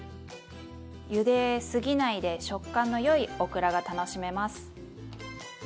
ゆですぎないで食感のよいオクラが楽しめます。